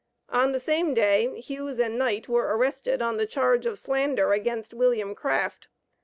On the same day, Hughes and Knight were arrested on the charge of slander against William Craft.